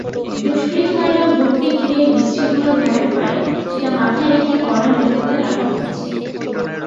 দুষ্কৃতকারীরা ভোটকে ঘিরে বিশৃঙ্খলা ঘটাতে পারে—সেটা মাথায় রেখেই কড়া নিরাপত্তা রাখা হয়েছে।